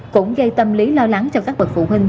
cũng gây tâm lý lo lắng cho các bậc phụ huynh